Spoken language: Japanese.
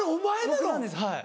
僕なんですはい。